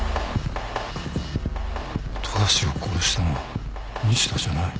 富樫を殺したのは西田じゃない。